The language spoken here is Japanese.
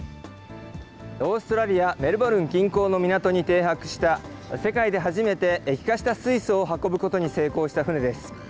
オーストラリア・メルボルン近郊の港に停泊した世界で初めて液化した水素を運ぶことに成功した船です。